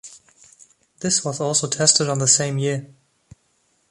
This was also tested on the same year.